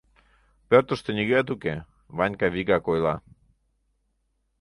Пӧртыштӧ нигӧат уке, Ванька вигак ойла: